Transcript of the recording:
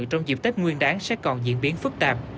trong dịp tết nguyên đáng sẽ còn diễn biến phức tạp